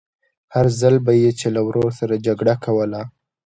هر ځل به يې چې له ورور سره جګړه کوله.